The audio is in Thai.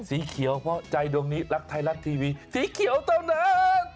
สีเขียวเพราะใจดวงนี้รักไทยรัฐทีวีสีเขียวเท่านั้น